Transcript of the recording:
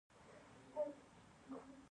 چین د نړۍ د کارخانې په نوم یادیږي.